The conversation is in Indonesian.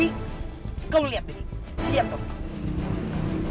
di kamu lihat ini lihat dong